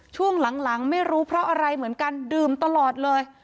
ช่วงหลังไม่รู้เพราะอะไรเหมือนกันดื่มตลอดเลย